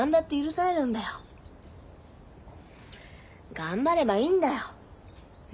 頑張ればいいんだよ。ね！